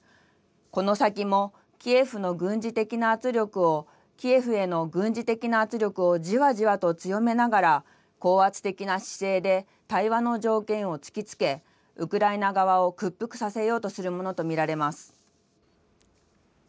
この先もキエフへの軍事的な圧力を、キエフへの軍事的な圧力をじわじわと強めながら、高圧的な姿勢で対話の条件を突きつけ、ウクライナ側を屈服させようと見られます。